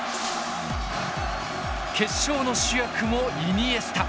決勝の主役もイニエスタ。